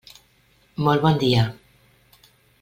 Molt bon dia.